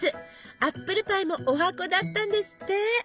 アップルパイもおはこだったんですって！